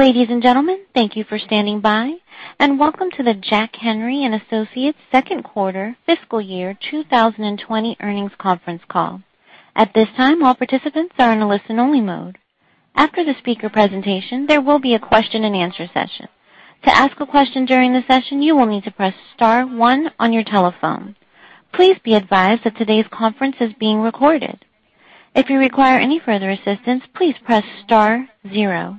Ladies and gentlemen, thank you for standing by, and welcome to the Jack Henry & Associates' Second Quarter, Fiscal Year 2020 Earnings Conference Call. At this time, all participants are in a listen-only mode. After the speaker presentation, there will be a question-and-answer session. To ask a question during the session, you will need to press star one on your telephone. Please be advised that today's conference is being recorded. If you require any further assistance, please press star zero.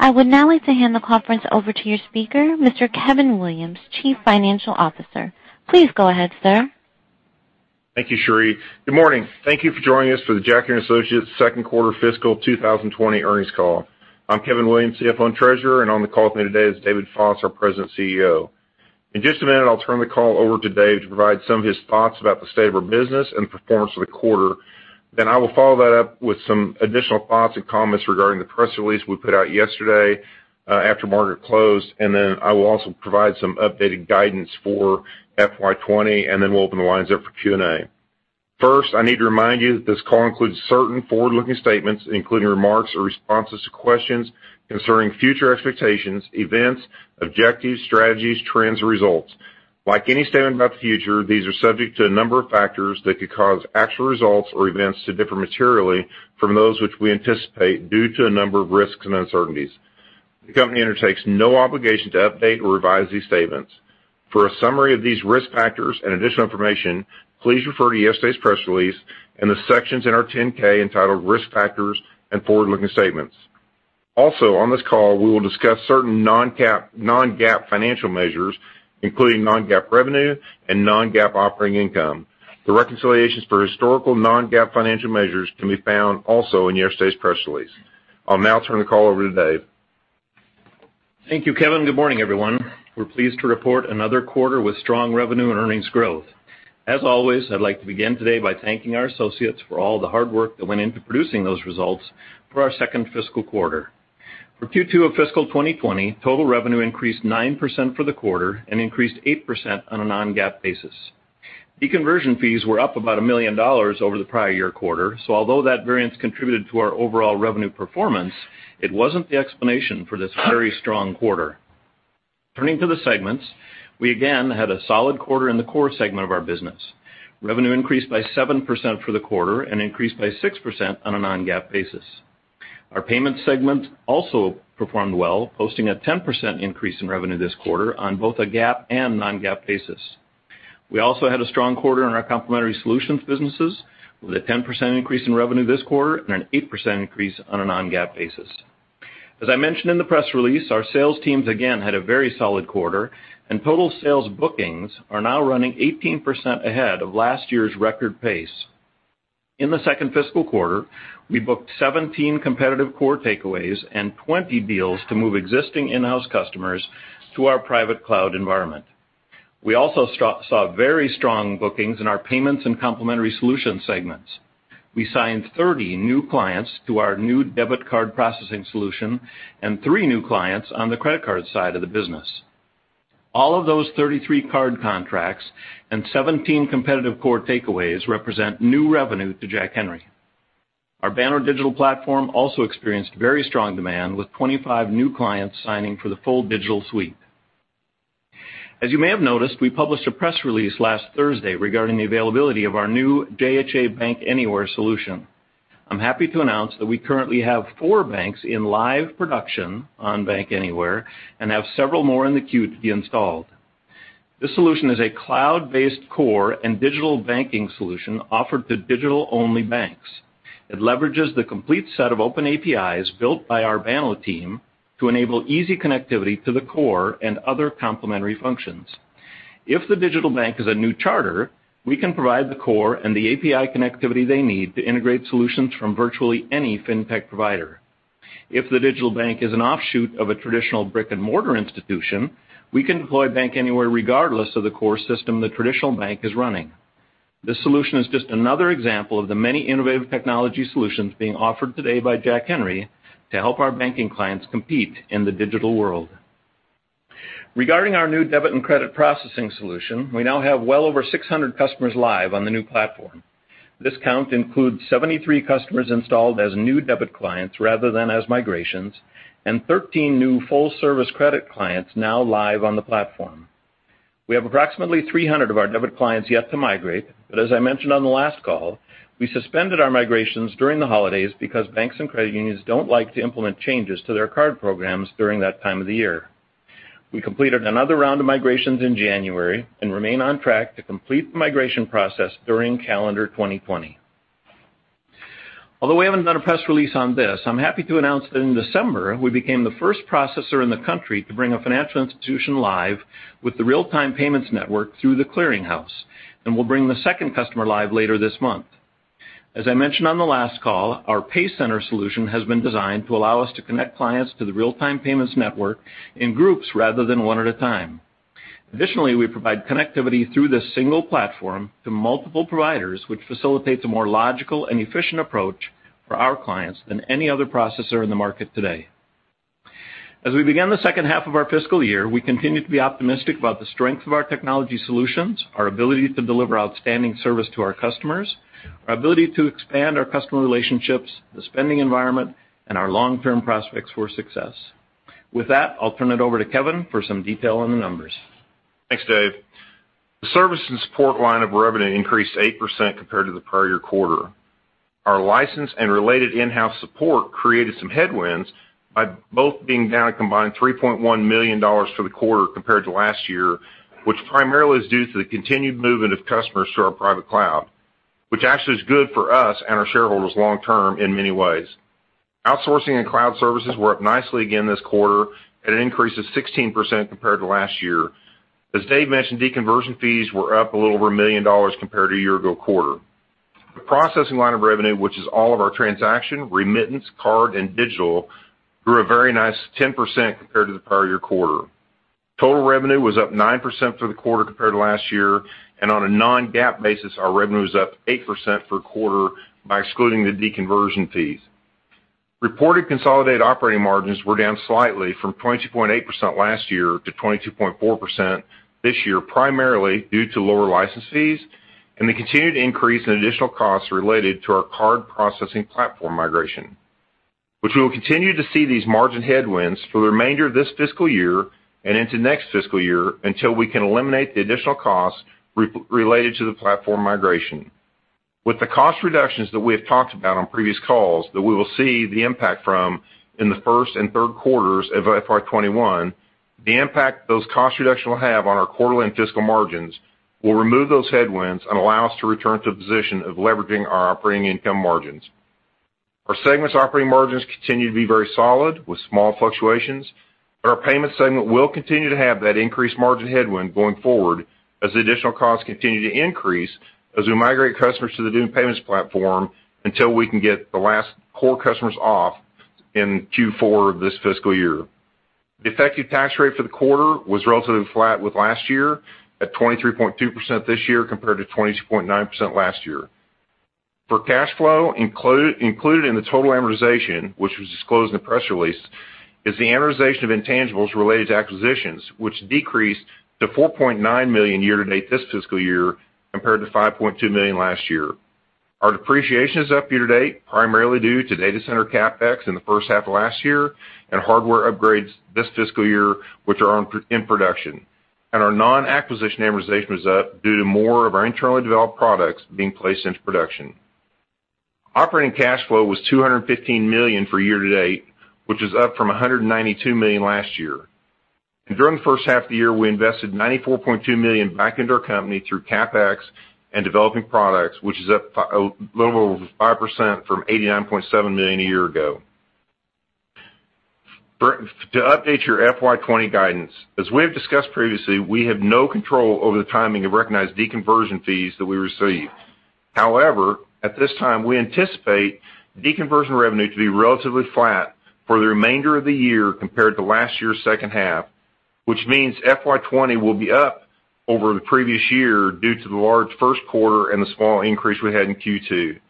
I would now like to hand the conference over to your speaker, Mr. Kevin Williams, Chief Financial Officer. Please go ahead, sir. Thank you, Sherry. Good morning. Thank you for joining us for the Jack Henry & Associates Second Quarter, Fiscal 2020 Earnings Call. I'm Kevin Williams, CFO and Treasurer, and on the call with me today is David Foss, our President and CEO. In just a minute, I'll turn the call over to Dave to provide some of his thoughts about the state of our business and the performance of the quarter. Then I will follow that up with some additional thoughts and comments regarding the press release we put out yesterday after market closed. And then I will also provide some updated guidance for FY2020, and then we'll open the lines up for Q&A. First, I need to remind you that this call includes certain forward-looking statements, including remarks or responses to questions concerning future expectations, events, objectives, strategies, trends, and results. Like any statement about the future, these are subject to a number of factors that could cause actual results or events to differ materially from those which we anticipate due to a number of risks and uncertainties. The company undertakes no obligation to update or revise these statements. For a summary of these risk factors and additional information, please refer to yesterday's press release and the sections in our 10-K entitled Risk Factors and Forward-Looking Statements. Also, on this call, we will discuss certain non-GAAP financial measures, including non-GAAP revenue and non-GAAP operating income. The reconciliations for historical non-GAAP financial measures can be found also in yesterday's press release. I'll now turn the call over to Dave. Thank you, Kevin. Good morning, everyone. We're pleased to report another quarter with strong revenue and earnings growth. As always, I'd like to begin today by thanking our associates for all the hard work that went into producing those results for our second fiscal quarter. For Q2 of fiscal 2020, total revenue increased 9% for the quarter and increased 8% on a non-GAAP basis. Deconversion fees were up about $1 million over the prior year quarter, so although that variance contributed to our overall revenue performance, it wasn't the explanation for this very strong quarter. Turning to the segments, we again had a solid quarter in the core segment of our business. Revenue increased by 7% for the quarter and increased by 6% on a non-GAAP basis. Our payments segment also performed well, posting a 10% increase in revenue this quarter on both a GAAP and non-GAAP basis. We also had a strong quarter in our complementary solutions businesses with a 10% increase in revenue this quarter and an 8% increase on a non-GAAP basis. As I mentioned in the press release, our sales teams again had a very solid quarter, and total sales bookings are now running 18% ahead of last year's record pace. In the second fiscal quarter, we booked 17 competitive core takeaways and 20 deals to move existing in-house customers to our private cloud environment. We also saw very strong bookings in our payments and complementary solutions segments. We signed 30 new clients to our new debit card processing solution and three new clients on the credit card side of the business. All of those 33 card contracts and 17 competitive core takeaways represent new revenue to Jack Henry. Our Banno digital platform also experienced very strong demand, with 25 new clients signing for the full digital suite. As you may have noticed, we published a press release last Thursday regarding the availability of our new JHA Bank Anywhere solution. I'm happy to announce that we currently have four banks in live production on Bank Anywhere and have several more in the queue to be installed. This solution is a cloud-based core and digital banking solution offered to digital-only banks. It leverages the complete set of open APIs built by our Banno team to enable easy connectivity to the core and other complementary functions. If the digital bank is a new charter, we can provide the core and the API connectivity they need to integrate solutions from virtually any fintech provider. If the digital bank is an offshoot of a traditional brick-and-mortar institutions, we can deploy Bank Anywhere regardless of the core system the traditional bank is running. This solution is just another example of the many innovative technology solutions being offered today by Jack Henry to help our banking clients compete in the digital world. Regarding our new debit and credit processing solution, we now have well over 600 customers live on the new platform. This count includes 73 customers installed as new debit clients rather than as migrations, and 13 new full-service credit clients now live on the platform. We have approximately 300 of our debit clients yet to migrate, but as I mentioned on the last call, we suspended our migrations during the holidays because banks and credit unions don't like to implement changes to their card programs during that time of the year. We completed another round of migrations in January and remain on track to complete the migration process during calendar 2020. Although we haven't done a press release on this, I'm happy to announce that in December, we became the first processor in the country to bring a financial institution live with the real-time payments network through The Clearing House, and we'll bring the second customer live later this month. As I mentioned on the last call, our PayCenter solution has been designed to allow us to connect clients to the real-time payments network in groups rather than one at a time. Additionally, we provide connectivity through this single platform to multiple providers, which facilitates a more logical and efficient approach for our clients than any other processor in the market today. As we begin the second half of our fiscal year, we continue to be optimistic about the strength of our technology solutions, our ability to deliver outstanding service to our customers, our ability to expand our customer relationships, the spending environment, and our long-term prospects for success. With that, I'll turn it over to Kevin for some detail on the numbers. Thanks, Dave. The service and support line of revenue increased 8% compared to the prior year quarter. Our license and related in-house support created some headwinds by both being down a combined $3.1 million for the quarter compared to last year, which primarily is due to the continued movement of customers to our private cloud, which actually is good for us and our shareholders long-term in many ways. Outsourcing and cloud services were up nicely again this quarter at an increase of 16% compared to last year. As Dave mentioned, deconversion fees were up a little over a million dollars compared to a year-ago quarter. The processing line of revenue, which is all of our transaction, remittance, card, and digital, grew a very nice 10% compared to the prior year quarter. Total revenue was up 9% for the quarter compared to last year, and on a non-GAAP basis, our revenue was up 8% for the quarter by excluding the deconversion fees. Reported consolidated operating margins were down slightly from 22.8% last year to 22.4% this year, primarily due to lower license fees and the continued increase in additional costs related to our card processing platform migration, which we will continue to see these margin headwinds for the remainder of this fiscal year and into next fiscal year until we can eliminate the additional costs related to the platform migration. With the cost reductions that we have talked about on previous calls that we will see the impact from in the first and third quarters of FY2021, the impact those cost reductions will have on our quarterly and fiscal margins will remove those headwinds and allow us to return to a position of leveraging our operating income margins. Our segments' operating margins continue to be very solid with small fluctuations, but our payment segment will continue to have that increased margin headwind going forward as the additional costs continue to increase as we migrate customers to the new payments platform until we can get the last core customers off in Q4 of this fiscal year. The effective tax rate for the quarter was relatively flat with last year at 23.2% this year compared to 22.9% last year. For cash flow, included in the total amortization, which was disclosed in the press release, is the amortization of intangibles related to acquisitions, which decreased to $4.9 million year-to-date this fiscal year compared to $5.2 million last year. Our depreciation is up year-to-date primarily due to data center CapEx in the first half of last year and hardware upgrades this fiscal year, which are in production, and our non-acquisition amortization was up due to more of our internally developed products being placed into production. Operating cash flow was $215 million for year-to-date, which is up from $192 million last year, and during the first half of the year, we invested $94.2 million back into our company through CapEx and developing products, which is up a little over 5% from $89.7 million a year ago. To update your FY2020 guidance, as we have discussed previously, we have no control over the timing of recognized deconversion fees that we receive. However, at this time, we anticipate deconversion revenue to be relatively flat for the remainder of the year compared to last year's second half, which means FY2020 will be up over the previous year due to the large first quarter and the small increase we had in Q2.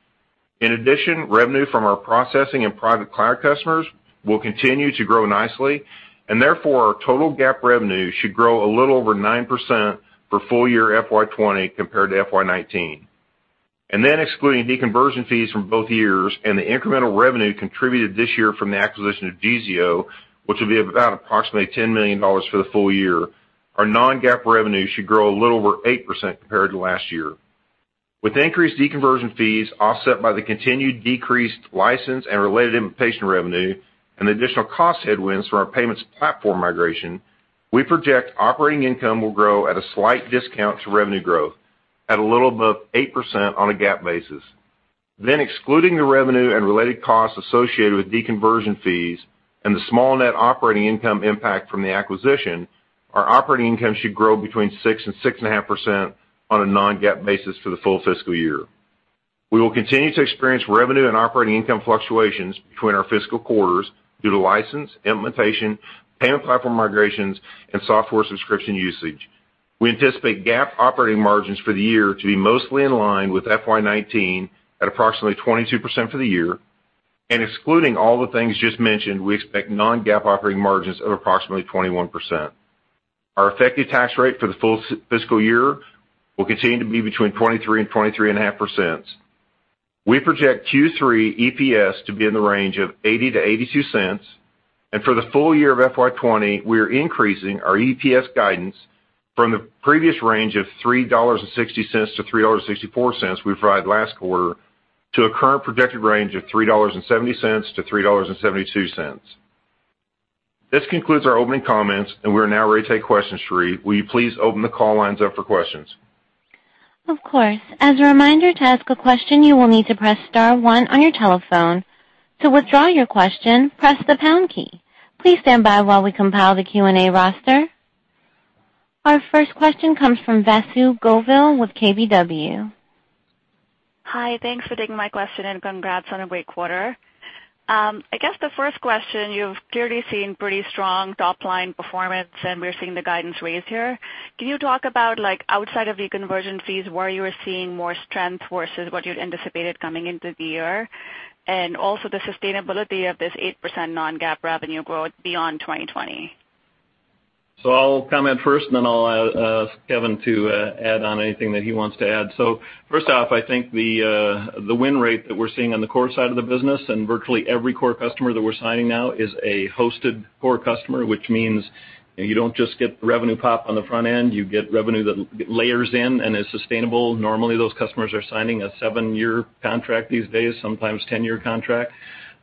In addition, revenue from our processing and private cloud customers will continue to grow nicely, and therefore our total GAAP revenue should grow a little over 9% for full year FY2020 compared to FY2019. And then, excluding deconversion fees from both years and the incremental revenue contributed this year from the acquisition of Geezeo, which will be about approximately $10 million for the full year, our non-GAAP revenue should grow a little over 8% compared to last year. With increased deconversion fees offset by the continued decreased license and related implementation revenue and the additional cost headwinds from our payments platform migration, we project operating income will grow at a slight discount to revenue growth at a little above 8% on a GAAP basis. Then, excluding the revenue and related costs associated with deconversion fees and the small net operating income impact from the acquisition, our operating income should grow between 6% and 6.5% on a non-GAAP basis for the full fiscal year. We will continue to experience revenue and operating income fluctuations between our fiscal quarters due to license, implementation, payment platform migrations, and software subscription usage. We anticipate GAAP operating margins for the year to be mostly in line with FY19 at approximately 22% for the year, and excluding all the things just mentioned, we expect non-GAAP operating margins of approximately 21%. Our effective tax rate for the full fiscal year will continue to be between 23% and 23.5%. We project Q3 EPS to be in the range of $0.80 to $0.82, and for the full year of FY2020, we are increasing our EPS guidance from the previous range of $3.60 to $3.64 we provided last quarter to a current projected range of $3.70 to $3.72. This concludes our opening comments, and we are now ready to take questions, Sherry. Will you please open the call lines up for questions? Of course. As a reminder to ask a question, you will need to press star one on your telephone. To withdraw your question, press the pound key. Please stand by while we compile the Q&A roster. Our first question comes from Vasu Govil with KBW. Hi, thanks for taking my question and congrats on a great quarter. I guess the first question, you've clearly seen pretty strong top-line performance, and we're seeing the guidance raise here. Can you talk about, outside of deconversion fees, where you are seeing more strength versus what you anticipated coming into the year, and also the sustainability of this 8% non-GAAP revenue growth beyond 2020? I'll comment first, and then I'll ask Kevin to add on anything that he wants to add. First off, I think the win rate that we're seeing on the core side of the business and virtually every core customer that we're signing now is a hosted core customer, which means you don't just get revenue pop on the front end. You get revenue that layers in and is sustainable. Normally, those customers are signing a seven-year contract these days, sometimes a ten-year contract.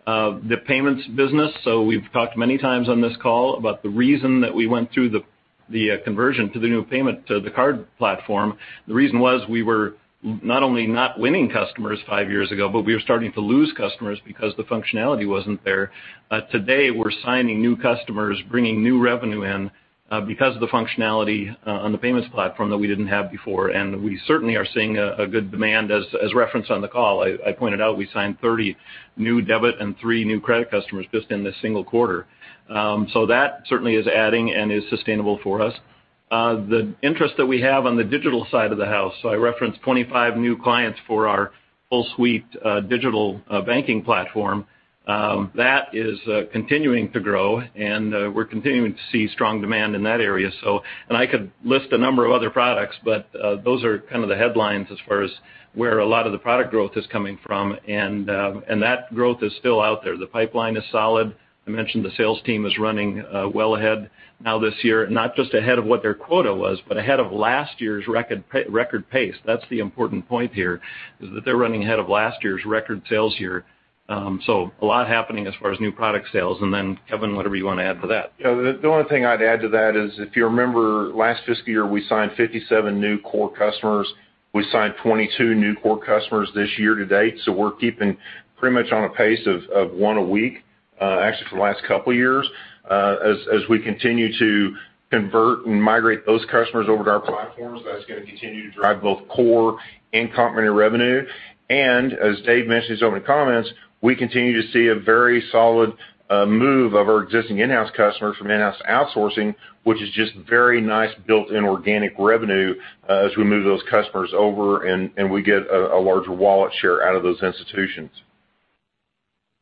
The payments business, so we've talked many times on this call about the reason that we went through the conversion to the new payment to the card platform. The reason was we were not only not winning customers five years ago, but we were starting to lose customers because the functionality wasn't there. Today, we're signing new customers, bringing new revenue in because of the functionality on the payments platform that we didn't have before, and we certainly are seeing a good demand. As referenced on the call, I pointed out we signed 30 new debit and three new credit customers just in this single quarter. So that certainly is adding and is sustainable for us. The interest that we have on the digital side of the house, so I referenced 25 new clients for our full-suite digital banking platform. That is continuing to grow, and we're continuing to see strong demand in that area. I could list a number of other products, but those are kind of the headlines as far as where a lot of the product growth is coming from, and that growth is still out there. The pipeline is solid. I mentioned the sales team is running well ahead now this year, not just ahead of what their quota was, but ahead of last year's record pace. That's the important point here is that they're running ahead of last year's record sales year. So, a lot happening as far as new product sales. And then, Kevin, whatever you want to add to that. Yeah, the only thing I'd add to that is, if you remember last fiscal year, we signed 57 new core customers. We signed 22 new core customers this year-to-date, so we're keeping pretty much on a pace of one a week, actually for the last couple of years. As we continue to convert and migrate those customers over to our platforms, that's going to continue to drive both core and complementary revenue. And as Dave mentioned in his opening comments, we continue to see a very solid move of our existing in-house customers from in-house to outsourcing, which is just very nice built-in organic revenue as we move those customers over, and we get a larger wallet share out of those institutions.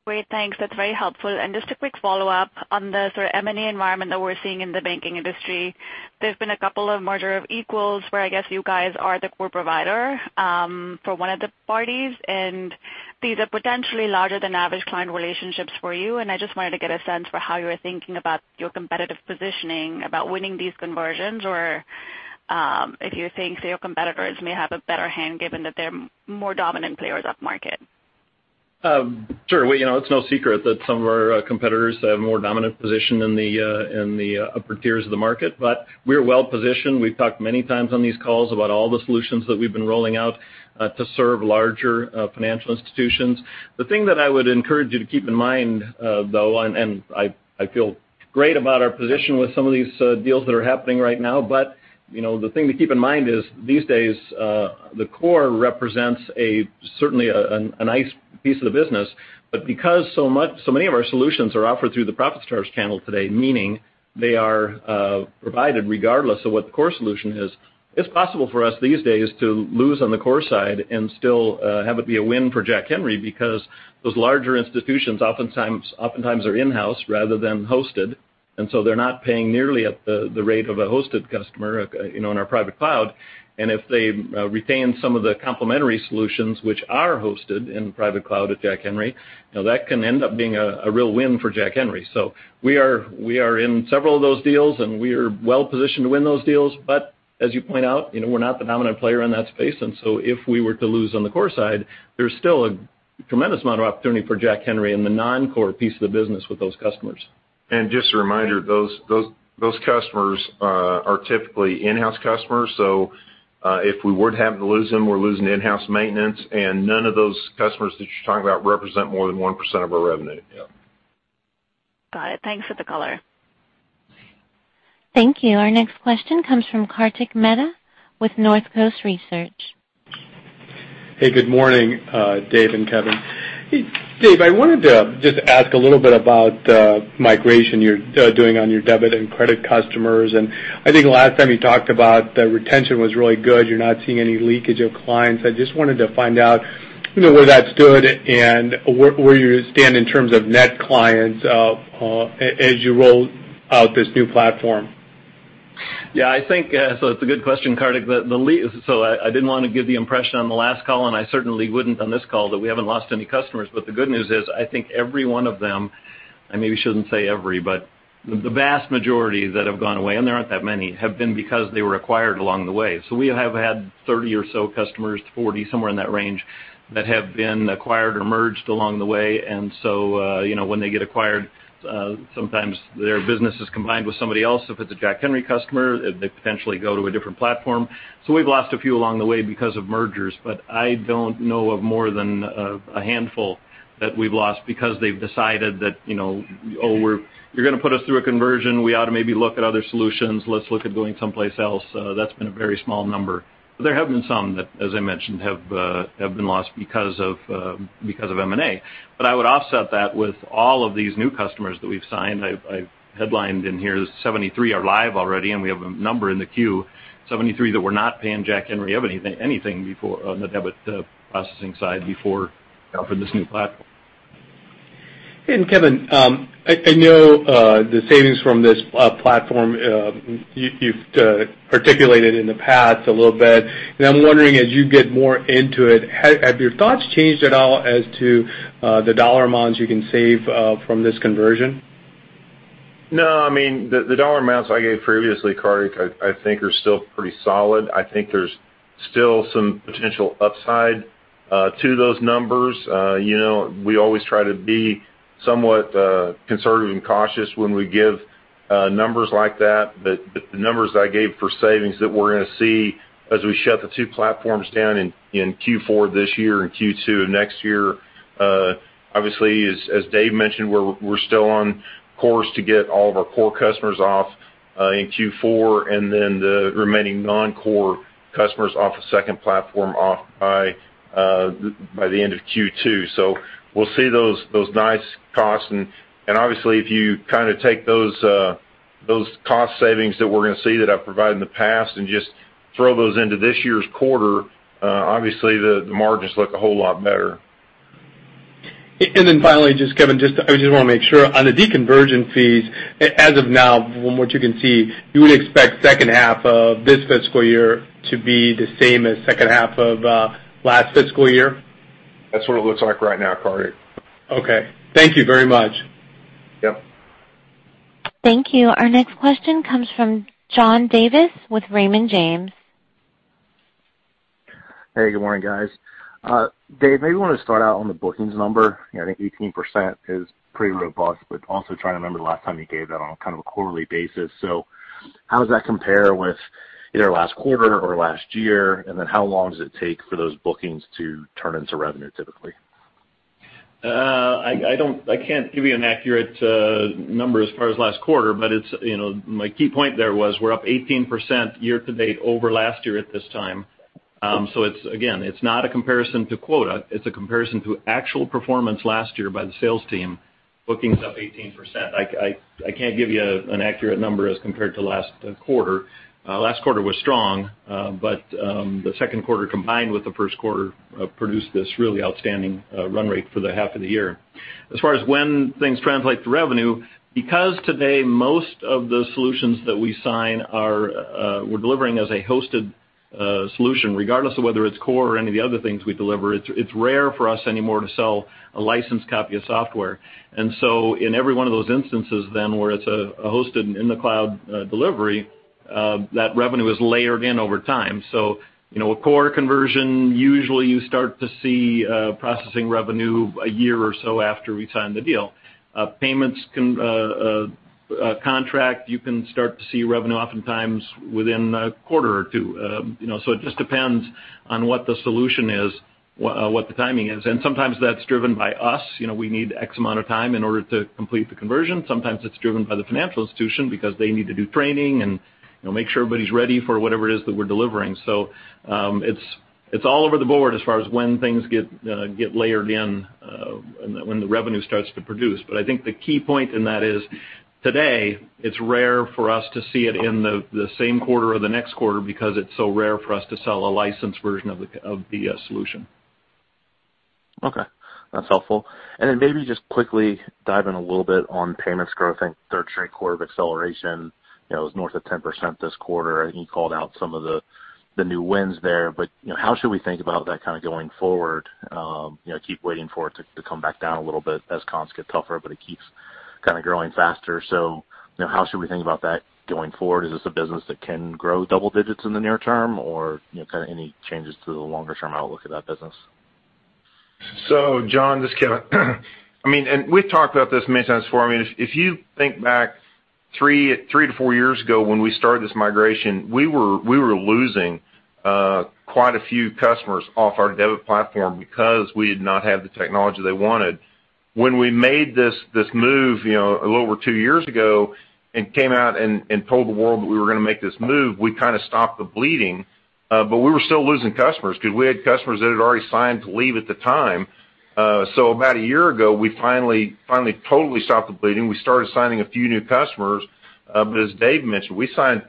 Great, thanks. That's very helpful. And just a quick follow-up on the sort of M&A environment that we're seeing in the banking industry. There's been a couple of merger of equals where I guess you guys are the core provider for one of the parties, and these are potentially larger-than-average client relationships for you. And I just wanted to get a sense for how you're thinking about your competitive positioning, about winning these conversions, or if you think your competitors may have a better hand given that they're more dominant players up market? Sure. It's no secret that some of our competitors have a more dominant position in the upper tiers of the market, but we're well-positioned. We've talked many times on these calls about all the solutions that we've been rolling out to serve larger financial institutions. The thing that I would encourage you to keep in mind, though, and I feel great about our position with some of these deals that are happening right now, but the thing to keep in mind is these days, the core represents certainly a nice piece of the business. But because so many of our solutions are offered through the ProfitStars channel today, meaning they are provided regardless of what the core solution is, it's possible for us these days to lose on the core side and still have it be a win for Jack Henry because those larger institutions oftentimes are in-house rather than hosted, and so they're not paying nearly at the rate of a hosted customer in our private cloud. And if they retain some of the complementary solutions, which are hosted in private cloud at Jack Henry, that can end up being a real win for Jack Henry. So we are in several of those deals, and we are well-positioned to win those deals, but as you point out, we're not the dominant player in that space, and so if we were to lose on the core side, there's still a tremendous amount of opportunity for Jack Henry in the non-core piece of the business with those customers. And just a reminder, those customers are typically in-house customers, so if we were to happen to lose them, we're losing in-house maintenance, and none of those customers that you're talking about represent more than 1% of our revenue. Got it. Thanks for the color. Thank you. Our next question comes from Kartik Mehta with North Coast Research. Hey, good morning, Dave and Kevin. Dave, I wanted to just ask a little bit about the migration you're doing on your debit and credit customers. And I think last time you talked about the retention was really good. You're not seeing any leakage of clients. I just wanted to find out where that stood and where you stand in terms of net clients as you roll out this new platform. Yeah, I think, so it's a good question, Karthik. So I didn't want to give the impression on the last call, and I certainly wouldn't on this call that we haven't lost any customers, but the good news is I think every one of them, I maybe shouldn't say every, but the vast majority that have gone away, and there aren't that many, have been because they were acquired along the way. So we have had 30 or so customers, 40, somewhere in that range, that have been acquired or merged along the way. And so when they get acquired, sometimes their business is combined with somebody else. If it's a Jack Henry customer, they potentially go to a different platform. So we've lost a few along the way because of mergers, but I don't know of more than a handful that we've lost because they've decided that, "Oh, you're going to put us through a conversion. We ought to maybe look at other solutions. Let's look at going someplace else." That's been a very small number. There have been some that, as I mentioned, have been lost because of M&A. But I would offset that with all of these new customers that we've signed. I've highlighted in here that 73 are live already, and we have a number in the queue, 73 that were not paying Jack Henry of anything on the debit processing side before for this new platform. And Kevin, I know the savings from this platform you've articulated in the past a little bit. And I'm wondering, as you get more into it, have your thoughts changed at all as to the dollar amounts you can save from this conversion? No, I mean, the dollar amounts I gave previously, Karthik, I think are still pretty solid. I think there's still some potential upside to those numbers. We always try to be somewhat conservative and cautious when we give numbers like that, but the numbers I gave for savings that we're going to see as we shut the two platforms down in Q4 this year and Q2 of next year, obviously, as Dave mentioned, we're still on course to get all of our core customers off in Q4 and then the remaining non-core customers off the second platform by the end of Q2. So we'll see those nice cost savings. And obviously, if you kind of take those cost savings that we're going to see that I've provided in the past and just throw those into this year's quarter, obviously, the margins look a whole lot better. And then finally, just Kevin, I just want to make sure on the deconversion fees, as of now, from what you can see, you would expect second half of this fiscal year to be the same as second half of last fiscal year? That's what it looks like right now, Karthik. Okay. Thank you very much. Yep. Thank you. Our next question comes from John Davis with Raymond James. Hey, good morning, guys. Dave, maybe you want to start out on the bookings number. I think 18% is pretty robust, but also trying to remember the last time you gave that on kind of a quarterly basis. So how does that compare with either last quarter or last year? And then how long does it take for those bookings to turn into revenue typically? I can't give you an accurate number as far as last quarter, but my key point there was we're up 18% year-to-date over last year at this time. So again, it's not a comparison to quota. It's a comparison to actual performance last year by the sales team. Bookings up 18%. I can't give you an accurate number as compared to last quarter. Last quarter was strong, but the second quarter combined with the first quarter produced this really outstanding run rate for the half of the year. As far as when things translate to revenue, because today most of the solutions that we sign are we're delivering as a hosted solution, regardless of whether it's core or any of the other things we deliver, it's rare for us anymore to sell a licensed copy of software. And so in every one of those instances then where it's a hosted and in the cloud delivery, that revenue is layered in over time. So a core conversion, usually you start to see processing revenue a year or so after we sign the deal. Payments contract, you can start to see revenue oftentimes within a quarter or two. So it just depends on what the solution is, what the timing is. And sometimes that's driven by us. We need X amount of time in order to complete the conversion. Sometimes it's driven by the financial institution because they need to do training and make sure everybody's ready for whatever it is that we're delivering. So it's all over the board as far as when things get layered in, when the revenue starts to produce. But I think the key point in that is today, it's rare for us to see it in the same quarter or the next quarter because it's so rare for us to sell a licensed version of the solution. Okay. That's helpful. And then maybe just quickly dive in a little bit on payments growth. I think third straight quarter of acceleration was north of 10% this quarter. I think you called out some of the new wins there, but how should we think about that kind of going forward? I keep waiting for it to come back down a little bit as comps get tougher, but it keeps kind of growing faster. So how should we think about that going forward? Is this a business that can grow double digits in the near term or kind of any changes to the longer-term outlook of that business? So, John, just Kevin. I mean, and we've talked about this many times before. I mean, if you think back three to four years ago when we started this migration, we were losing quite a few customers off our debit platform because we did not have the technology they wanted. When we made this move a little over two years ago and came out and told the world that we were going to make this move, we kind of stopped the bleeding, but we were still losing customers because we had customers that had already signed to leave at the time. So about a year ago, we finally totally stopped the bleeding. We started signing a few new customers, but as Dave mentioned, we signed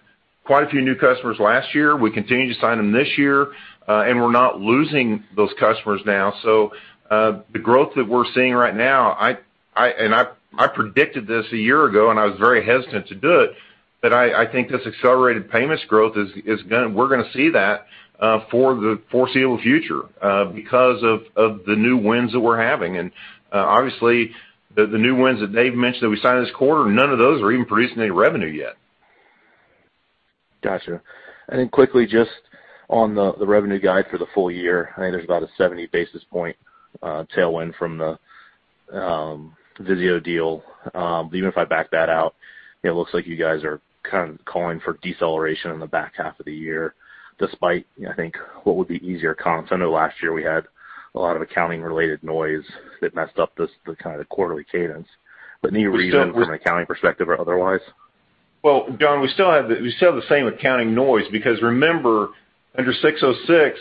quite a few new customers last year. We continue to sign them this year, and we're not losing those customers now. So the growth that we're seeing right now, and I predicted this a year ago, and I was very hesitant to do it, but I think this accelerated payments growth we're going to see that for the foreseeable future because of the new wins that we're having. And obviously, the new wins that Dave mentioned that we signed this quarter, none of those are even producing any revenue yet. Gotcha. And then quickly, just on the revenue guide for the full year, I think there's about a 70 basis points tailwind from the Geezeo deal. But even if I back that out, it looks like you guys are kind of calling for deceleration in the back half of the year despite, I think, what would be easier comps. I know last year we had a lot of accounting-related noise that messed up the kind of quarterly cadence. But any reason from an accounting perspective or otherwise? John, we still have the same accounting noise because remember, under 606,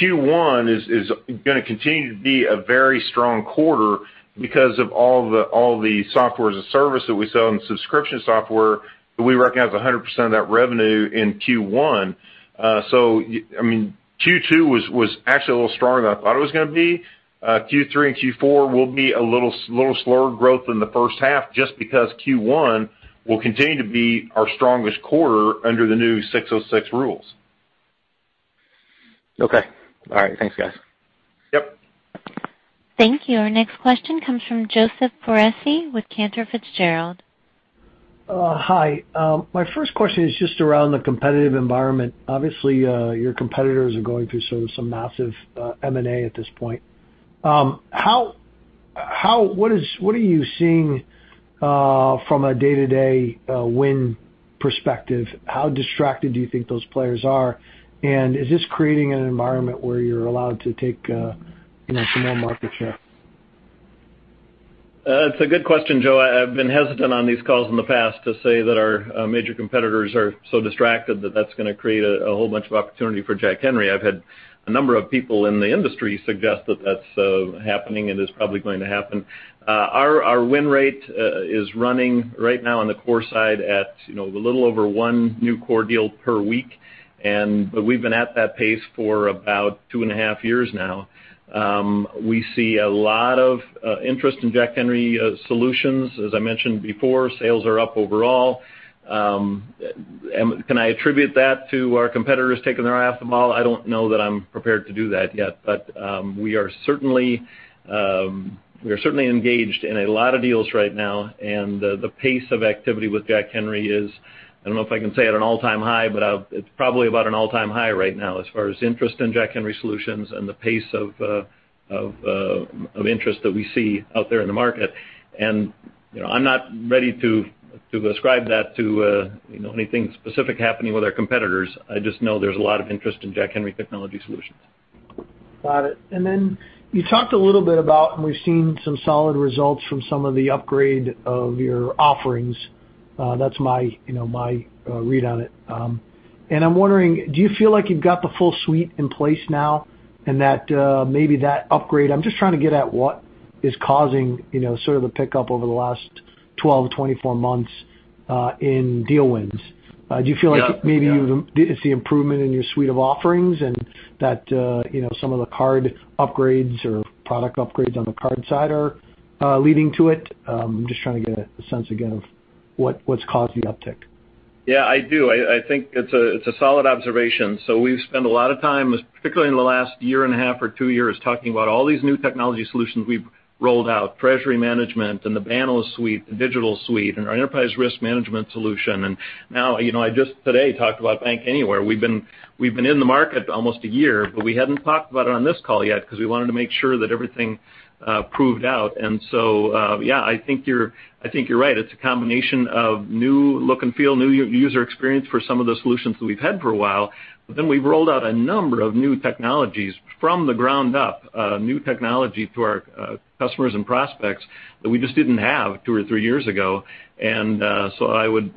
Q1 is going to continue to be a very strong quarter because of all the software as a service that we sell and subscription software. We recognize 100% of that revenue in Q1. So I mean, Q2 was actually a little stronger than I thought it was going to be. Q3 and Q4 will be a little slower growth in the first half just because Q1 will continue to be our strongest quarter under the new 606 rules. Okay. All right. Thanks, guys. Yep. Thank you. Our next question comes from Joseph Foresi with Cantor Fitzgerald. Hi. My first question is just around the competitive environment. Obviously, your competitors are going through some massive M&A at this point. What are you seeing from a day-to-day win perspective? How distracted do you think those players are? And is this creating an environment where you're allowed to take some more market share? It's a good question, Joe. I've been hesitant on these calls in the past to say that our major competitors are so distracted that that's going to create a whole bunch of opportunity for Jack Henry. I've had a number of people in the industry suggest that that's happening and is probably going to happen. Our win rate is running right now on the core side at a little over one new core deal per week, but we've been at that pace for about two and a half years now. We see a lot of interest in Jack Henry solutions. As I mentioned before, sales are up overall. Can I attribute that to our competitors taking their eye off the ball? I don't know that I'm prepared to do that yet, but we are certainly engaged in a lot of deals right now, and the pace of activity with Jack Henry is, I don't know if I can say at an all-time high, but it's probably about an all-time high right now as far as interest in Jack Henry solutions and the pace of interest that we see out there in the market. And I'm not ready to ascribe that to anything specific happening with our competitors. I just know there's a lot of interest in Jack Henry technology solutions. Got it. And then you talked a little bit about, and we've seen some solid results from some of the upgrade of your offerings. That's my read on it. And I'm wondering, do you feel like you've got the full suite in place now and that maybe that upgrade? I'm just trying to get at what is causing sort of the pickup over the last 12-24 months in deal wins. Do you feel like maybe it's the improvement in your suite of offerings and that some of the card upgrades or product upgrades on the card side are leading to it? I'm just trying to get a sense again of what's caused the uptick. Yeah, I do. I think it's a solid observation. So we've spent a lot of time, particularly in the last year and a half or two years, talking about all these new technology solutions we've rolled out: Treasury Management and the Banno suite, the Digital suite, and our Enterprise Risk Management solution. And now I just today talked about Bank Anywhere. We've been in the market almost a year, but we hadn't talked about it on this call yet because we wanted to make sure that everything proved out. And so, yeah, I think you're right. It's a combination of new look and feel, new user experience for some of the solutions that we've had for a while. But then we've rolled out a number of new technologies from the ground up, new technology to our customers and prospects that we just didn't have two or three years ago. And so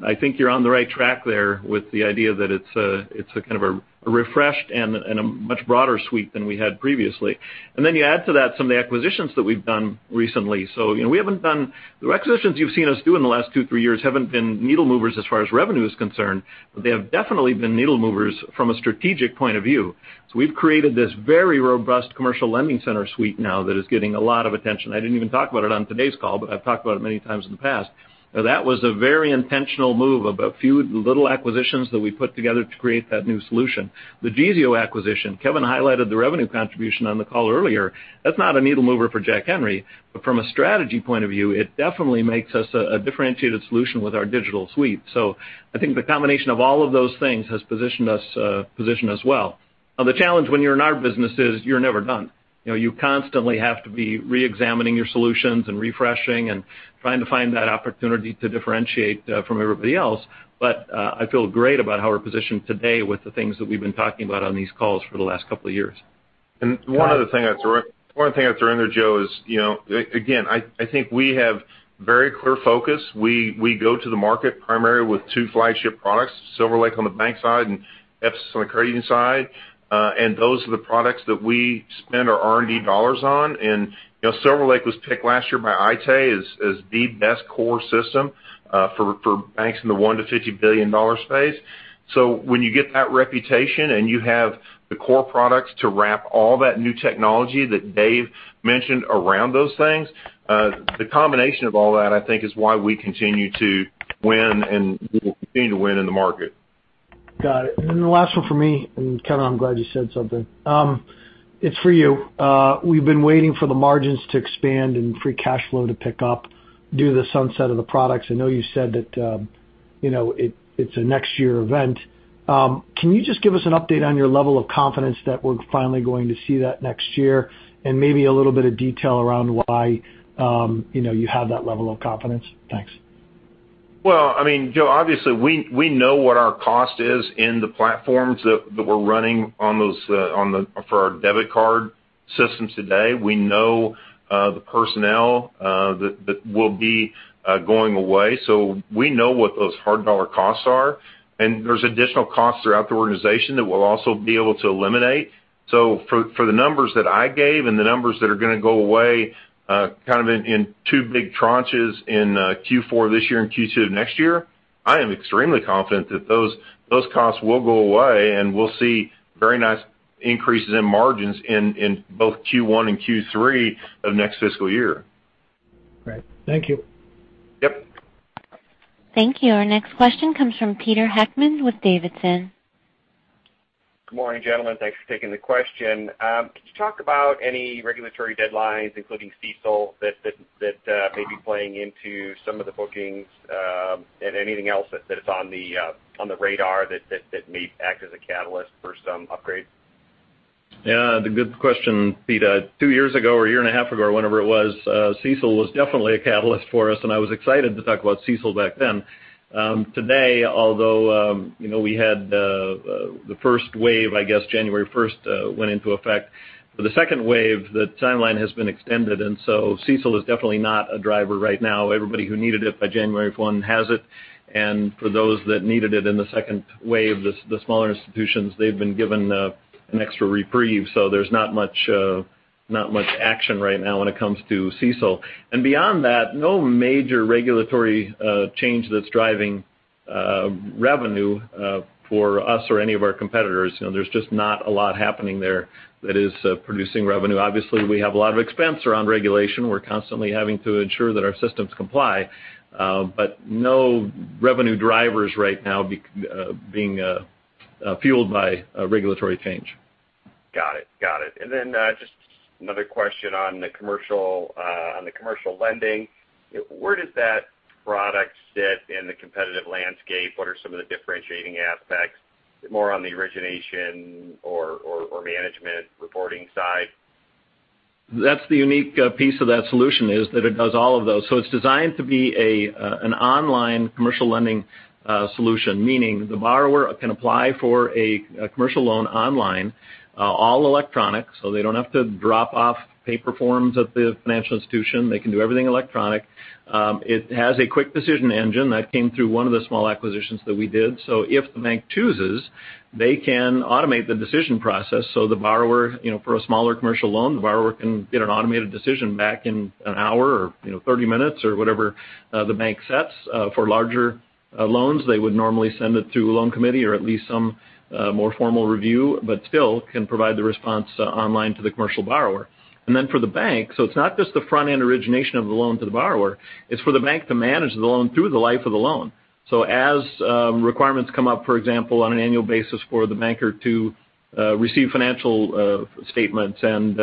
I think you're on the right track there with the idea that it's kind of a refreshed and a much broader suite than we had previously. And then you add to that some of the acquisitions that we've done recently. So we haven't done the acquisitions you've seen us do in the last two, three years haven't been needle movers as far as revenue is concerned, but they have definitely been needle movers from a strategic point of view. So we've created this very robust Commercial Lending Center suite now that is getting a lot of attention. I didn't even talk about it on today's call, but I've talked about it many times in the past. That was a very intentional move of a few little acquisitions that we put together to create that new solution. The Geezeo acquisition, Kevin highlighted the revenue contribution on the call earlier. That's not a needle mover for Jack Henry, but from a strategy point of view, it definitely makes us a differentiated solution with our digital suite. So I think the combination of all of those things has positioned us well. Now, the challenge when you're in our business is you're never done. You constantly have to be re-examining your solutions and refreshing and trying to find that opportunity to differentiate from everybody else. But I feel great about how we're positioned today with the things that we've been talking about on these calls for the last couple of years. One other thing I'd throw in there, Joe, is again, I think we have very clear focus. We go to the market primarily with two flagship products, SilverLake on the bank side and Episys on the credit union side. And those are the products that we spend our R&D dollars on. And SilverLake was picked last year by Aite as the best core system for banks in the $1-$50 billion space. So when you get that reputation and you have the core products to wrap all that new technology that Dave mentioned around those things, the combination of all that, I think, is why we continue to win and continue to win in the market. Got it. And then the last one for me, and Kevin, I'm glad you said something. It's for you. We've been waiting for the margins to expand and free cash flow to pick up due to the sunset of the products. I know you said that it's a next-year event. Can you just give us an update on your level of confidence that we're finally going to see that next year and maybe a little bit of detail around why you have that level of confidence? Thanks. I mean, Joe, obviously, we know what our cost is in the platforms that we're running for our debit card systems today. We know the personnel that will be going away. We know what those hard dollar costs are. There's additional costs throughout the organization that we'll also be able to eliminate. For the numbers that I gave and the numbers that are going to go away kind of in two big tranches in Q4 this year and Q2 of next year, I am extremely confident that those costs will go away, and we'll see very nice increases in margins in both Q1 and Q3 of next fiscal year. Great. Thank you. Yep. Thank you. Our next question comes from Peter Heckman with D.A. Davidson. Good morning, gentlemen. Thanks for taking the question. Can you talk about any regulatory deadlines, including CECL, that may be playing into some of the bookings and anything else that's on the radar that may act as a catalyst for some upgrade? Yeah. That's a good question, Peter. Two years ago or a year and a half ago or whenever it was, CECL was definitely a catalyst for us, and I was excited to talk about CECL back then. Today, although we had the first wave, I guess, January 1st went into effect, for the second wave, the timeline has been extended, and so CECL is definitely not a driver right now. Everybody who needed it by January 1 has it, and for those that needed it in the second wave, the smaller institutions, they've been given an extra reprieve. So there's not much action right now when it comes to CECL. And beyond that, no major regulatory change that's driving revenue for us or any of our competitors. There's just not a lot happening there that is producing revenue. Obviously, we have a lot of expense around regulation. We're constantly having to ensure that our systems comply, but no revenue drivers right now being fueled by regulatory change. Got it. Got it. And then just another question on the commercial lending. Where does that product sit in the competitive landscape? What are some of the differentiating aspects? More on the origination or management reporting side? That's the unique piece of that solution is that it does all of those. So it's designed to be an online commercial lending solution, meaning the borrower can apply for a commercial loan online, all electronic, so they don't have to drop off paper forms at the financial institution. They can do everything electronic. It has a quick decision engine that came through one of the small acquisitions that we did. So if the bank chooses, they can automate the decision process. So for a smaller commercial loan, the borrower can get an automated decision back in an hour or 30 minutes or whatever the bank sets. For larger loans, they would normally send it to a loan committee or at least some more formal review, but still can provide the response online to the commercial borrower. For the bank, so it's not just the front-end origination of the loan to the borrower. It's for the bank to manage the loan through the life of the loan. As requirements come up, for example, on an annual basis for the banker to receive financial statements and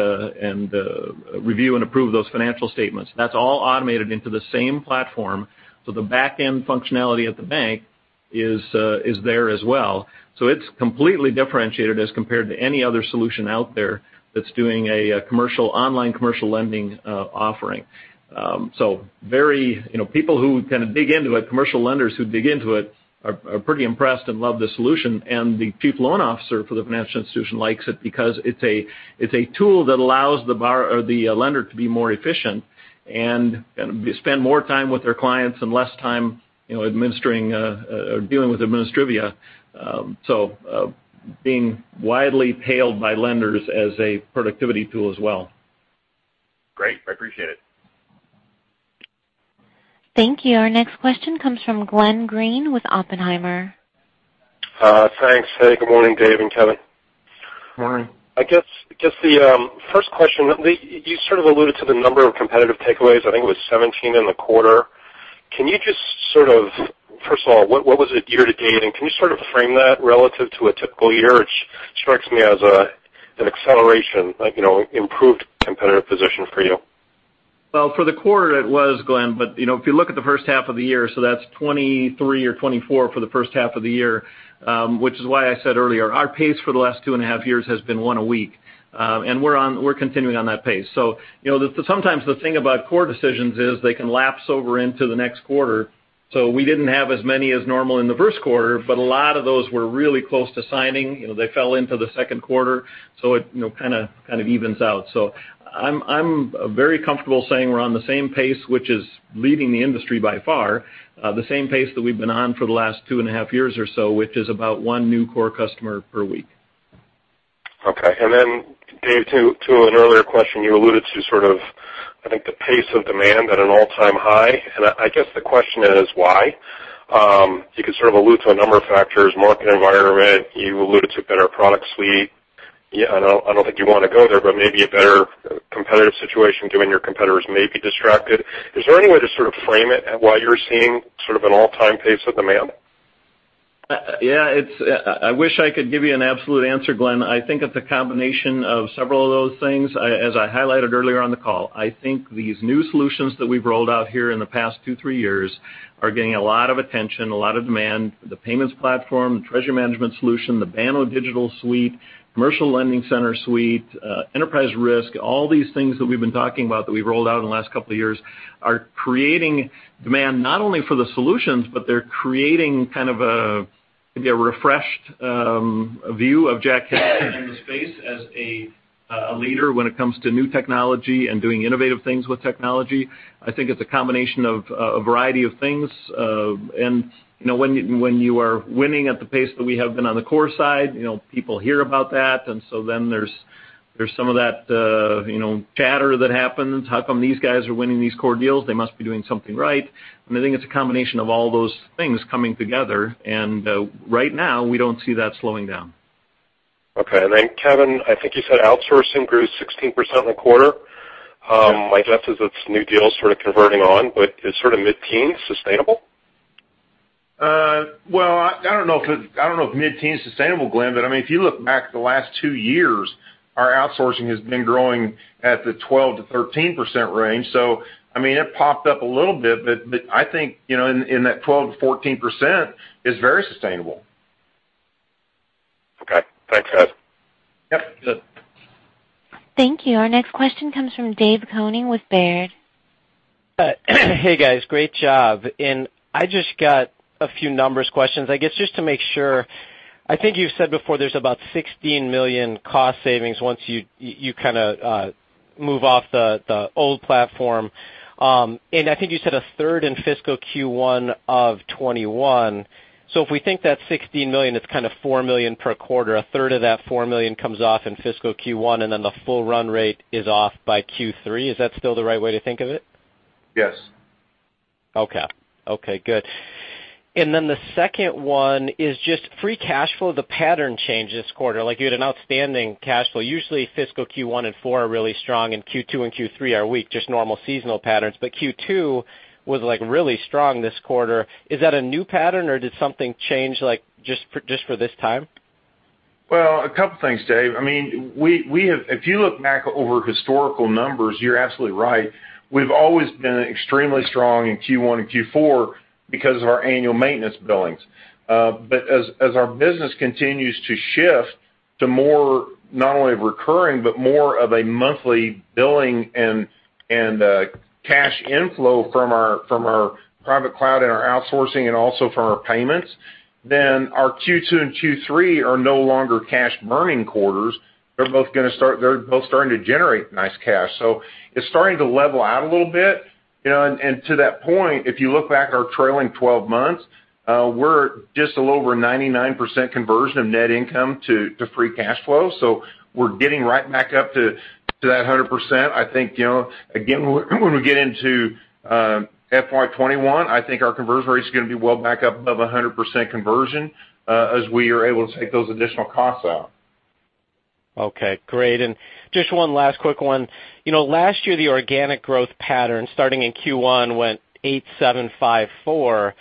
review and approve those financial statements, that's all automated into the same platform. The back-end functionality at the bank is there as well. It's completely differentiated as compared to any other solution out there that's doing an online commercial lending offering. People who kind of dig into it, commercial lenders who dig into it, are pretty impressed and love the solution. The chief loan officer for the financial institution likes it because it's a tool that allows the lender to be more efficient and spend more time with their clients and less time dealing with administrivia. Being widely hailed by lenders as a productivity tool as well. Great. I appreciate it. Thank you. Our next question comes from Glenn Greene with Oppenheimer. Thanks. Hey, good morning, David and Kevin. Good morning. I guess the first question, you sort of alluded to the number of competitive takeaways. I think it was 17 in the quarter. Can you just sort of, first of all, what was it year to date? And can you sort of frame that relative to a typical year? It strikes me as an acceleration, improved competitive position for you. For the quarter, it was, Glenn, but if you look at the first half of the year, so that's 2023 or 2024 for the first half of the year, which is why I said earlier, our pace for the last two and a half years has been one a week. We're continuing on that pace. Sometimes the thing about core decisions is they can lapse over into the next quarter. We didn't have as many as normal in the first quarter, but a lot of those were really close to signing. They fell into the second quarter. It kind of evens out. I'm very comfortable saying we're on the same pace, which is leading the industry by far, the same pace that we've been on for the last two and a half years or so, which is about one new core customer per week. Okay. And then, David, to an earlier question, you alluded to sort of, I think, the pace of demand at an all-time high. And I guess the question is why? You could sort of allude to a number of factors: market environment. You alluded to a better product suite. I don't think you want to go there, but maybe a better competitive situation given your competitors may be distracted. Is there any way to sort of frame it while you're seeing sort of an all-time pace of demand? Yeah. I wish I could give you an absolute answer, Glenn. I think it's a combination of several of those things. As I highlighted earlier on the call, I think these new solutions that we've rolled out here in the past two, three years are getting a lot of attention, a lot of demand. The payments platform, the Treasury Management solution, the Banno Digital suite, Commercial Lending Center suite, Enterprise Risk, all these things that we've been talking about that we've rolled out in the last couple of years are creating demand not only for the solutions, but they're creating kind of a refreshed view of Jack Henry in the space as a leader when it comes to new technology and doing innovative things with technology. I think it's a combination of a variety of things. When you are winning at the pace that we have been on the core side, people hear about that. So then there's some of that chatter that happens. How come these guys are winning these core deals? They must be doing something right. I think it's a combination of all those things coming together. Right now, we don't see that slowing down. Okay. And then, Kevin, I think you said outsourcing grew 16% in the quarter. My guess is it's new deals sort of converting on, but is sort of mid-teens sustainable? I don't know if mid-teens sustainable, Glenn, but I mean, if you look back the last two years, our outsourcing has been growing at the 12%-13% range. So I mean, it popped up a little bit, but I think in that 12%-14% is very sustainable. Okay. Thanks, guys. Yep. Good. Thank you. Our next question comes from Dave Koning with Baird. Hey, guys. Great job. And I just got a few numbers questions, I guess, just to make sure. I think you've said before there's about $16 million cost savings once you kind of move off the old platform. And I think you said a third in fiscal Q1 of 2021. So if we think that $16 million, it's kind of $4 million per quarter. A third of that $4 million comes off in fiscal Q1, and then the full run rate is off by Q3. Is that still the right way to think of it? Yes. Okay. Good. And then the second one is just free cash flow, the pattern change this quarter. You had an outstanding cash flow. Usually, fiscal Q1 and Q4 are really strong, and Q2 and Q3 are weak, just normal seasonal patterns. But Q2 was really strong this quarter. Is that a new pattern, or did something change just for this time? A couple of things, Dave. I mean, if you look back over historical numbers, you're absolutely right. We've always been extremely strong in Q1 and Q4 because of our annual maintenance billings. But as our business continues to shift to more not only recurring, but more of a monthly billing and cash inflow from our private cloud and our outsourcing and also from our payments, then our Q2 and Q3 are no longer cash-burning quarters. They're both starting to generate nice cash. So it's starting to level out a little bit. And to that point, if you look back at our trailing 12 months, we're just a little over 99% conversion of net income to free cash flow. So we're getting right back up to that 100%. I think, again, when we get into FY2021, I think our conversion rate is going to be well back up above 100% conversion as we are able to take those additional costs out. Okay. Great. And just one last quick one. Last year, the organic growth pattern starting in Q1 went 8, 7, 5, 4.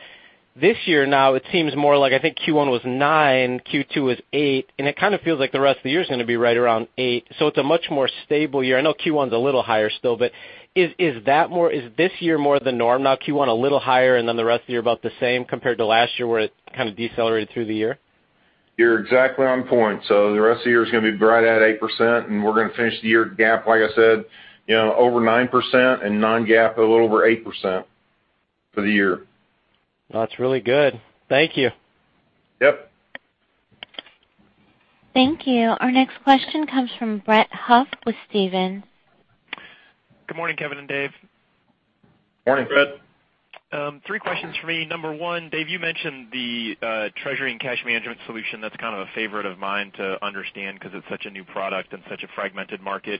This year, now, it seems more like I think Q1 was 9, Q2 was 8, and it kind of feels like the rest of the year is going to be right around 8. So it's a much more stable year. I know Q1 is a little higher still, but is this year more the norm? Now, Q1 a little higher, and then the rest of the year about the same compared to last year where it kind of decelerated through the year? You're exactly on point. So the rest of the year is going to be right at 8%, and we're going to finish the year GAAP, like I said, over 9% and non-GAAP a little over 8% for the year. That's really good. Thank you. Yep. Thank you. Our next question comes from Brett Huff with Stephens. Good morning, Kevin and Dave. Morning, Brett. Three questions for me. Number one, Dave, you mentioned the Treasury and Cash Management solution. That's kind of a favorite of mine to understand because it's such a new product and such a fragmented market.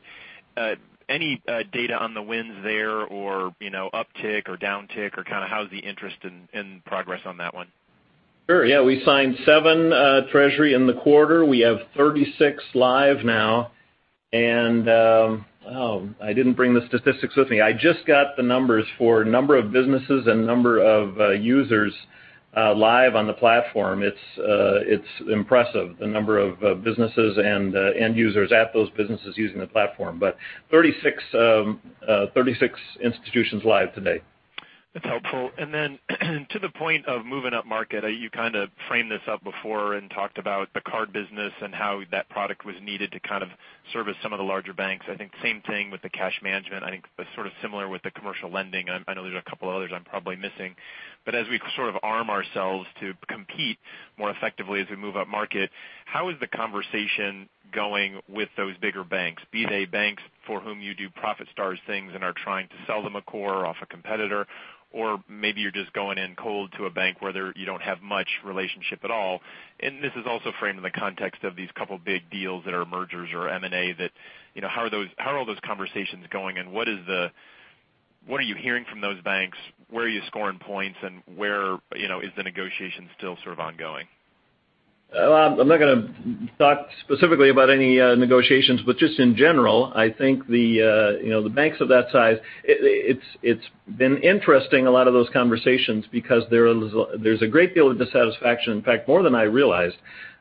Any data on the wins there or uptick or downtick or kind of how's the interest and progress on that one? Sure. Yeah. We signed seven Treasury in the quarter. We have 36 live now. And oh, I didn't bring the statistics with me. I just got the numbers for number of businesses and number of users live on the platform. It's impressive, the number of businesses and end users at those businesses using the platform, but 36 institutions live today. That's helpful. And then to the point of moving up market, you kind of framed this up before and talked about the card business and how that product was needed to kind of service some of the larger banks. I think same thing with the cash management. I think it's sort of similar with the commercial lending. I know there's a couple of others I'm probably missing. But as we sort of arm ourselves to compete more effectively as we move up market, how is the conversation going with those bigger banks, be they banks for whom you do ProfitStars things and are trying to sell them a core off a competitor, or maybe you're just going in cold to a bank where you don't have much relationship at all? This is also framed in the context of these couple of big deals that are mergers or M&A that how are all those conversations going, and what are you hearing from those banks? Where are you scoring points, and where is the negotiation still sort of ongoing? I'm not going to talk specifically about any negotiations, but just in general, I think the banks of that size, it's been interesting, a lot of those conversations, because there's a great deal of dissatisfaction, in fact, more than I realized,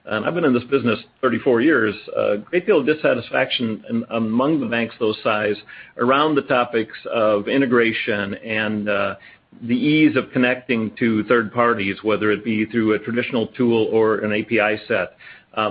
and I've been in this business 34 years. A great deal of dissatisfaction among the banks those size around the topics of integration and the ease of connecting to third parties, whether it be through a traditional tool or an API set.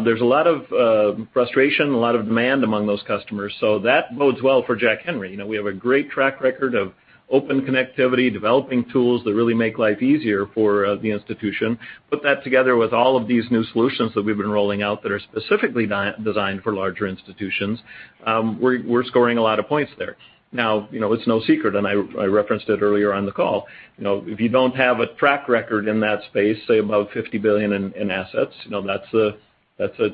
There's a lot of frustration, a lot of demand among those customers, so that bodes well for Jack Henry. We have a great track record of open connectivity, developing tools that really make life easier for the institution. Put that together with all of these new solutions that we've been rolling out that are specifically designed for larger institutions, we're scoring a lot of points there. Now, it's no secret, and I referenced it earlier on the call. If you don't have a track record in that space, say, above 50 billion in assets, that's a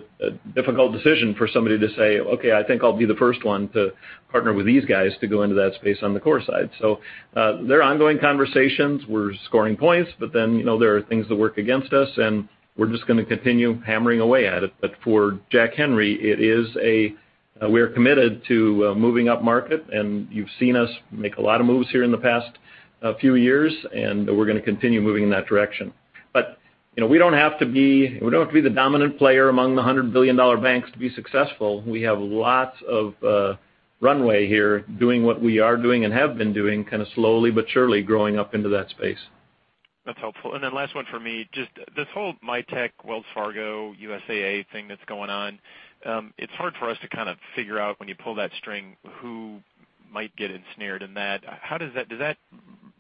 difficult decision for somebody to say, "Okay, I think I'll be the first one to partner with these guys to go into that space on the core side." So there are ongoing conversations. We're scoring points, but then there are things that work against us, and we're just going to continue hammering away at it. But for Jack Henry, it is a we are committed to moving up market, and you've seen us make a lot of moves here in the past few years, and we're going to continue moving in that direction. But we don't have to be we don't have to be the dominant player among the $100 billion banks to be successful. We have lots of runway here doing what we are doing and have been doing, kind of slowly but surely growing up into that space. That's helpful. And then last one for me. Just this whole Mitek, Wells Fargo, USAA thing that's going on, it's hard for us to kind of figure out when you pull that string who might get ensnared in that. How does that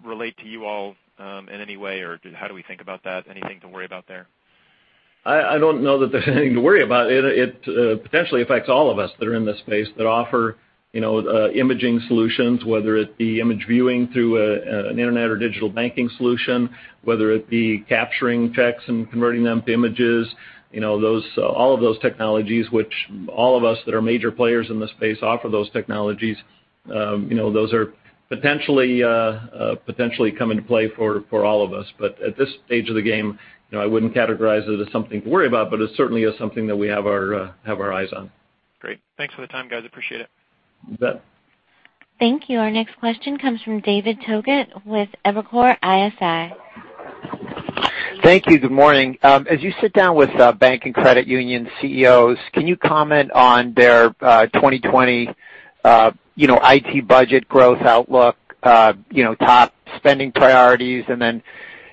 relate to you all in any way, or how do we think about that? Anything to worry about there? I don't know that there's anything to worry about. It potentially affects all of us that are in this space that offer imaging solutions, whether it be image viewing through an internet or digital banking solution, whether it be capturing checks and converting them to images, all of those technologies, which all of us that are major players in the space offer those technologies. Those are potentially coming to play for all of us. But at this stage of the game, I wouldn't categorize it as something to worry about, but it's certainly something that we have our eyes on. Great. Thanks for the time, guys. Appreciate it. You bet. Thank you. Our next question comes from David Togut with Evercore ISI. Thank you. Good morning. As you sit down with bank and credit union CEOs, can you comment on their 2020 IT budget growth outlook, top spending priorities, and then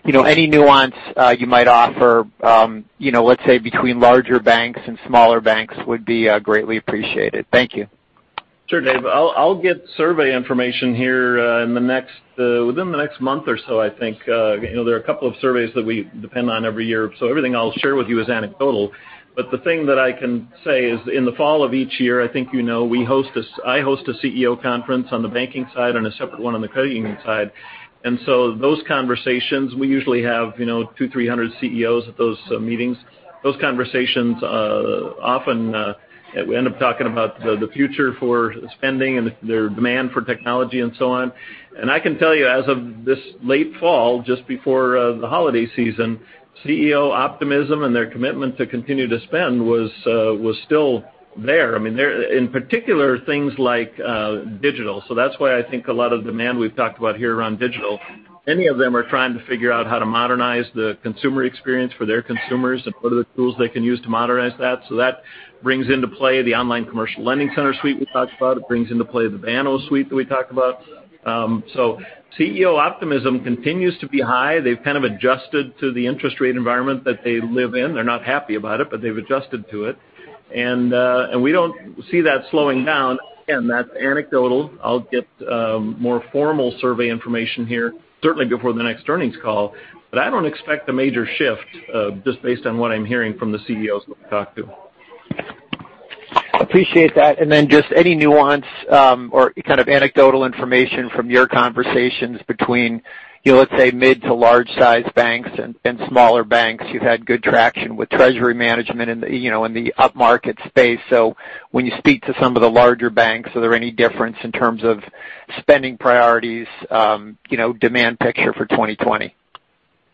any nuance you might offer, let's say, between larger banks and smaller banks would be greatly appreciated. Thank you. Sure, Dave. I'll get survey information here within the next month or so, I think. There are a couple of surveys that we depend on every year. So everything I'll share with you is anecdotal. But the thing that I can say is in the fall of each year, I think you know we host a CEO conference on the banking side and a separate one on the credit union side. And so those conversations, we usually have 200, 300 CEOs at those meetings. Those conversations often we end up talking about the future for spending and their demand for technology and so on. And I can tell you, as of this late fall, just before the holiday season, CEO optimism and their commitment to continue to spend was still there. I mean, in particular, things like digital. So that's why I think a lot of the demand we've talked about here around digital. Many of them are trying to figure out how to modernize the consumer experience for their consumers and what are the tools they can use to modernize that. So that brings into play the online Commercial Lending Center suite we talked about. It brings into play the Banno suite that we talked about. So CEO optimism continues to be high. They've kind of adjusted to the interest rate environment that they live in. They're not happy about it, but they've adjusted to it. And we don't see that slowing down. Again, that's anecdotal. I'll get more formal survey information here, certainly before the next earnings call. But I don't expect a major shift just based on what I'm hearing from the CEOs that we talked to. Appreciate that. And then just any nuance or kind of anecdotal information from your conversations between, let's say, mid-to large-sized banks and smaller banks. You've had good traction with Treasury Management in the upmarket space. So when you speak to some of the larger banks, are there any difference in terms of spending priorities, demand picture for 2020?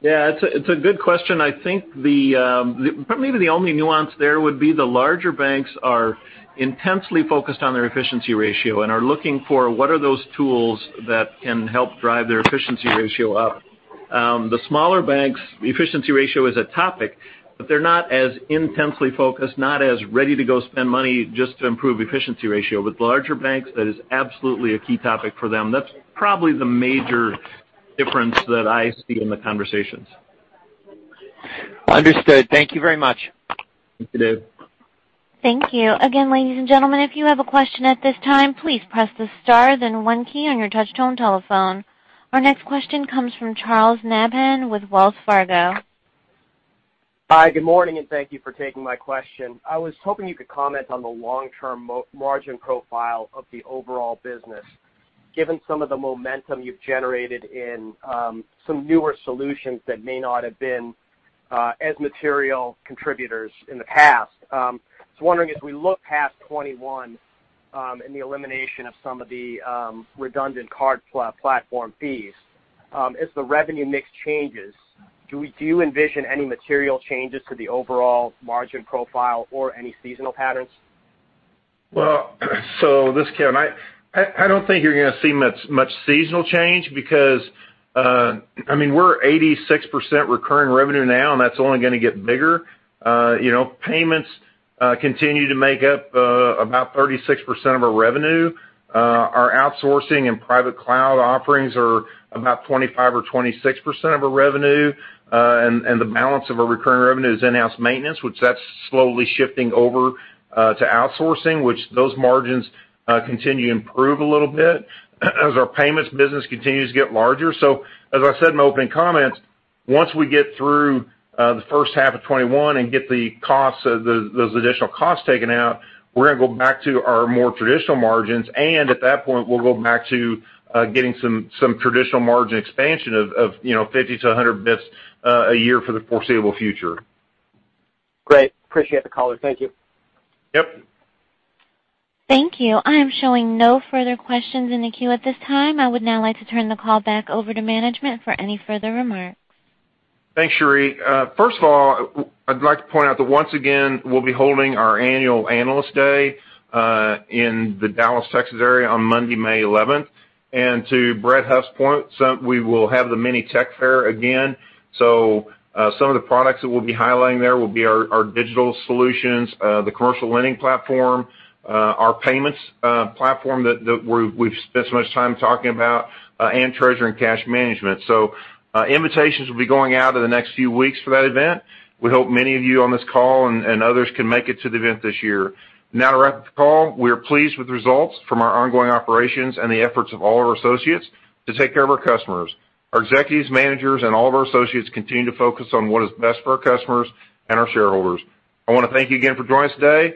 Yeah. It's a good question. I think maybe the only nuance there would be the larger banks are intensely focused on their efficiency ratio and are looking for what are those tools that can help drive their efficiency ratio up. The smaller banks, efficiency ratio is a topic, but they're not as intensely focused, not as ready to go spend money just to improve efficiency ratio. With the larger banks, that is absolutely a key topic for them. That's probably the major difference that I see in the conversations. Understood. Thank you very much. Thank you, Dave. Thank you. Again, ladies and gentlemen, if you have a question at this time, please press the star then one key on your touch-tone telephone. Our next question comes from Charles Nabhan with Wells Fargo. Hi. Good morning, and thank you for taking my question. I was hoping you could comment on the long-term margin profile of the overall business, given some of the momentum you've generated in some newer solutions that may not have been as material contributors in the past. I was wondering, as we look past 2021 and the elimination of some of the redundant card platform fees, as the revenue mix changes, do you envision any material changes to the overall margin profile or any seasonal patterns? Well, so this, Kevin. I don't think you're going to see much seasonal change because, I mean, we're 86% recurring revenue now, and that's only going to get bigger. Payments continue to make up about 36% of our revenue. Our outsourcing and private cloud offerings are about 25 or 26% of our revenue. And the balance of our recurring revenue is in-house maintenance, which that's slowly shifting over to outsourcing, which those margins continue to improve a little bit as our payments business continues to get larger. So, as I said in my opening comments, once we get through the first half of 2021 and get those additional costs taken out, we're going to go back to our more traditional margins. And at that point, we'll go back to getting some traditional margin expansion of 50 to 100 basis points a year for the foreseeable future. Great. Appreciate the caller. Thank you. Yep. Thank you. I am showing no further questions in the queue at this time. I would now like to turn the call back over to management for any further remarks. Thanks, Sheree. First of all, I'd like to point out that once again, we'll be holding our annual Analyst Day in the Dallas, Texas area on Monday, May 11th. And to Brett Huff's point, we will have the mini Tech Fair again. So some of the products that we'll be highlighting there will be our digital solutions, the commercial lending platform, our payments platform that we've spent so much time talking about, and Treasury and Cash Management. So invitations will be going out in the next few weeks for that event. We hope many of you on this call and others can make it to the event this year. Now, to wrap up the call, we are pleased with the results from our ongoing operations and the efforts of all of our associates to take care of our customers. Our executives, managers, and all of our associates continue to focus on what is best for our customers and our shareholders. I want to thank you again for joining us today.